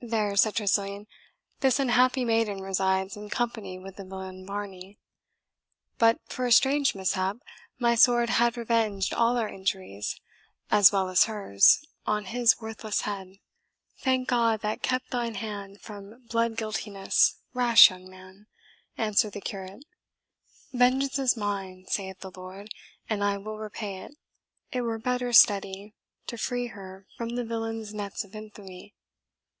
"There," said Tressilian, "this unhappy maiden resides, in company with the villain Varney. But for a strange mishap, my sword had revenged all our injuries, as well as hers, on his worthless head." "Thank God, that kept thine hand from blood guiltiness, rash young man!" answered the curate. "Vengeance is mine, saith the Lord, and I will repay it. It were better study to free her from the villain's nets of infamy."